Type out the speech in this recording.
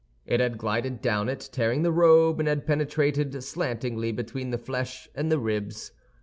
It had glided down it, tearing the robe, and had penetrated slantingly between the flesh and the ribs.